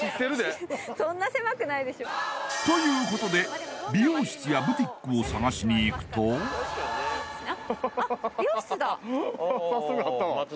そんな狭くないでしょということで美容室やブティックを探しにいくとすぐあったわあ